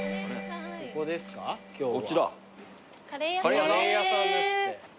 カレー屋さんです。